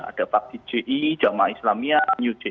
ada paksi ji jamaah islamiyah new ji